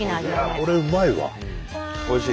これうまいわ。